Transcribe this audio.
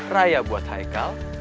raya buat haikal